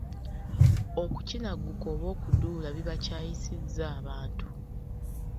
Okukinagguka oba okuduula bikyayisizza abantu.